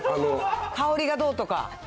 香りがどうとか。